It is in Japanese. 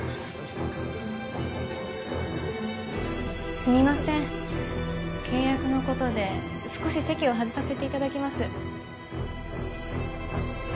すみません契約のことで少し席を外させていただきます。